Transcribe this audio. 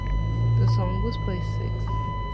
The song was placed sixth.